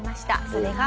それが。